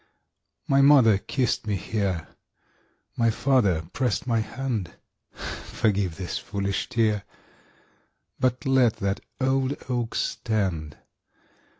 My mother kissed me here; My father pressed my hand Forgive this foolish tear, But let that old oak stand!